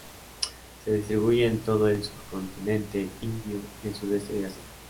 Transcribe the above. Se distribuye en todo el subcontinente indio y el sudeste de Asia.